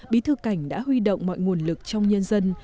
bí thư cảnh đã huy động mọi nguồn lực trong nhân dân